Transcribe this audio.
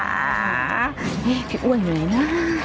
เฮ้ยพี่อ้วนหน่อยนะ